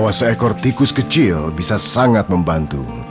maka seorang tikus kecil dapat membantu